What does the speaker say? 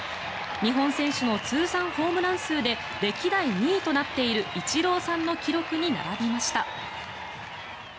日本選手の通算ホームラン数で歴代２位となっているイチローさんの記録に並びました。